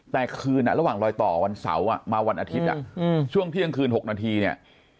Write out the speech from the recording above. แต่คืนระหว่างรอยต่อวันเสาร์มาวันอาทิตย์ช่วงเที่ยงคืน๖นาทีเนี่ย